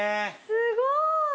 すごい！